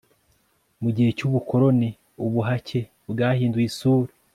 mu gihe cy'ubukoloni ubuhake bwahinduye isura